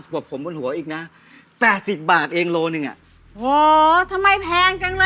บอกผมบนหัวอีกนะแปดสิบบาทเองโลหนึ่งอ่ะโหทำไมแพงจังเลย